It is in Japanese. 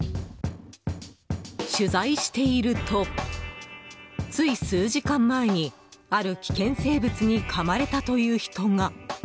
取材していると、つい数時間前にある危険生物にかまれたという人が。